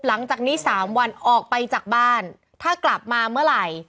หลังจากนี้สามวันออกไปจากบ้านถ้ากลับมาเมื่อไหร่